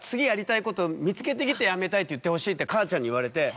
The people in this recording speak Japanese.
辞めたいって言ってほしいって母ちゃんに言われて。